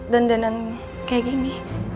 dandan dandan kayak gini